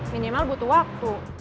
minimal butuh waktu